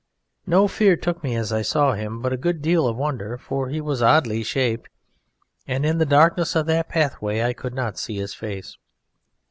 No fear took me as I saw him, but a good deal of wonder, for he was oddly shaped, and in the darkness of that pathway I could not see his face.